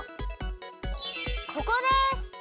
ここです。